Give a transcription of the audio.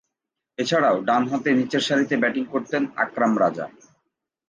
এছাড়াও, ডানহাতে নিচেরসারিতে ব্যাটিং করতেন আকরাম রাজা।